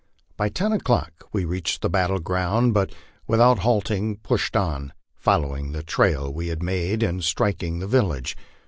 By ten o'clock we reached the battle ground, but with out halting pushed on, following the trail we had made in striking the village.